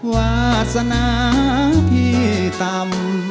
วาสนาพี่ต่ำ